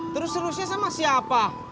terus seriusnya sama siapa